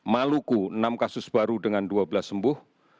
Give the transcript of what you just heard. maluku enam kasus baru dengan dua belas sembuh